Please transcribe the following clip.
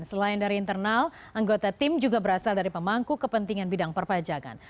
selain dari internal anggota tim juga berasal dari pemangku kepentingan bidang perpajakan